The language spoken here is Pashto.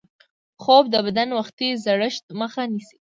خوب د بدن وختي زړښت مخه نیسي